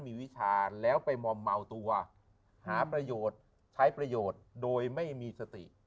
มีวิชาแล้วไปมอมเมาตัวหาประโยชน์ใช้ประโยชน์โดยไม่มีสติ